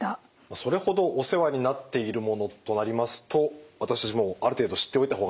それほどお世話になっているものとなりますと私たちもある程度知っておいた方がいいですね。